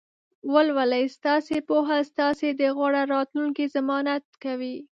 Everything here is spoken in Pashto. ولولئ! ستاسې پوهه ستاسې د غوره راتلونکي ضمانت کوي.